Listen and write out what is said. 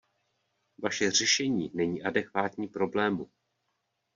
Vaše řešení není adekvátní problému.